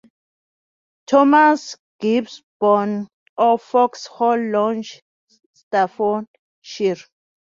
Thomas Gisborne, of Foxhall Lodge, Staffordshire.